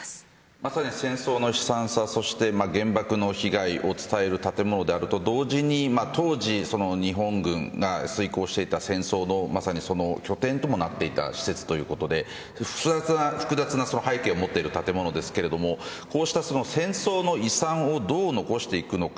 まさに戦争の悲惨さそして中には原爆の被害を伝える建物であると同時に当時、日本軍が遂行していた戦争のまさに拠点ともなっていた施設ということで複雑な背景を持っている建物ですけどこうした戦争の遺産をどう残していくのか。